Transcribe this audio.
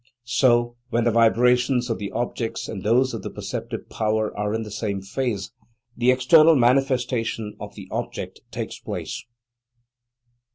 So, when the vibrations of the object and those of the perceptive power are in the same phase, the external manifestation of the object takes place.